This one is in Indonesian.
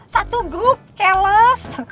satu grup keles